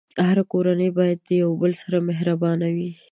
هره کورنۍ باید د یو بل سره مهربانه وي.